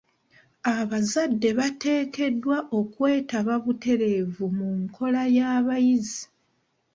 Abazadde bateekeddwa okwetaba butereevu mu nkola y'abayizi.